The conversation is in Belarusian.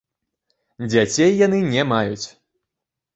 Дзяцей яны не маюць.